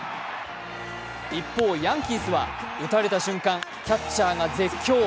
一方、ヤンキースは打たれた瞬間キャッチャーが絶叫。